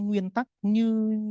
nguyên tắc như